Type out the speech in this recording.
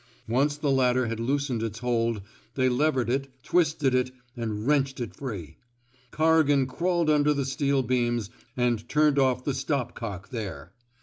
Once the ladder had loosened its hold, they levered it, twisted it, and wrenched it free. Corri gan crawled under the steel beanis and turned off the stop cock there.